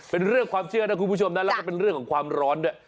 เป็นเรื่องความเชื่อนะคุณผู้ชมนะแล้วก็เป็นเรื่องของความร้อนด้วย